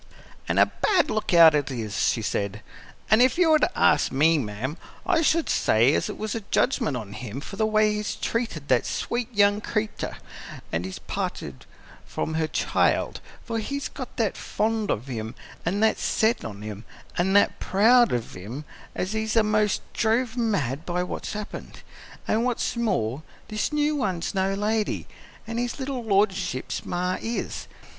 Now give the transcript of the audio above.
"An' a bad lookout it is," she said. "An' if you were to ask me, ma'am, I should say as it was a judgment on him for the way he's treated that sweet young cre'tur' as he parted from her child, for he's got that fond of him an' that set on him an' that proud of him as he's a'most drove mad by what's happened. An' what's more, this new one's no lady, as his little lordship's ma is.